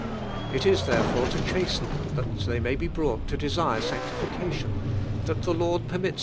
It is therefore to chasten thi'in— (liar they may be brought to desire sanctiflcalion — the. Lord, permits.